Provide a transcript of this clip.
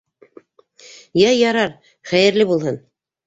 — Йә, ярар, хәйерле булһын.